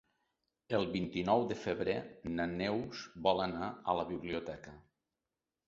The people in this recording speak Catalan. El vint-i-nou de febrer na Neus vol anar a la biblioteca.